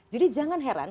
jadi jangan heran